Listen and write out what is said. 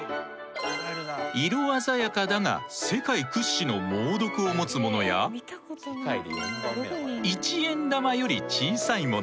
色鮮やかだが世界屈指の猛毒を持つものや一円玉より小さいもの。